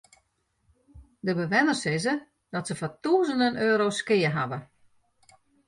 De bewenners sizze dat se foar tûzenen euro's skea hawwe.